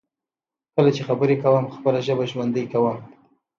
کله چې خبرې کوم، خپله ژبه ژوندی کوم.